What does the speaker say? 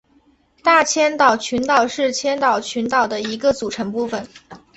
大千岛群岛是千岛群岛的一个组成部分。